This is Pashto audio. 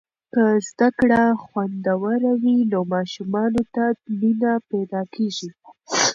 که زده کړه خوندوره وي، نو ماشومانو ته مینه پیدا کیږي.